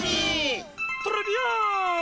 トレビアーン！